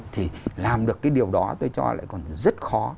thì làm được cái điều đó tôi cho lại còn rất khó